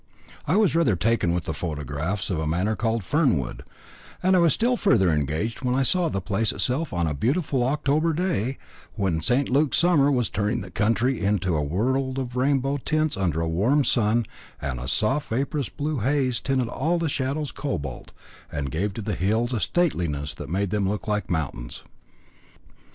I was rather taken with photographs of a manor called Fernwood, and I was still further engaged when I saw the place itself on a beautiful October day, when St. Luke's summer was turning the country into a world of rainbow tints under a warm sun, and a soft vaporous blue haze tinted all shadows cobalt, and gave to the hills a stateliness that made them look like mountains.